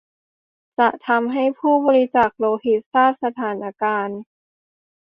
จะทำให้ผู้บริจาคโลหิตทราบสถานการณ์